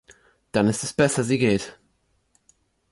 Dann ist es besser, sie geht.